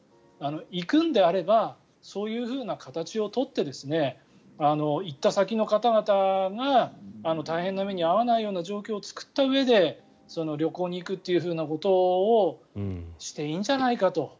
行くのであればそういうふうな形を取って行った先の方々が大変な目に遭わないような状況を作ったうえで旅行に行くということをしていいんじゃないかと。